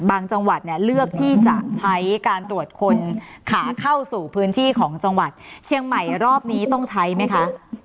จังหวัดเนี่ยเลือกที่จะใช้การตรวจคนขาเข้าสู่พื้นที่ของจังหวัดเชียงใหม่รอบนี้ต้องใช้ไหมคะ